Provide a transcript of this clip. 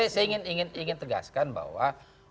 saya ingin tegaskan bahwa